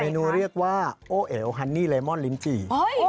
นูเรียกว่าโอเอวฮันนี่เลมอนลิ้นจี่